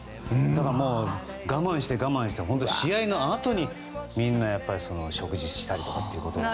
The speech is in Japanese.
だから、我慢して我慢して本当に試合のあとにみんな、食事したりとかっていうことで。